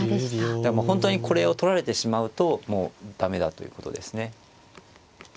本当にこれを取られてしまうともう駄目だということですね。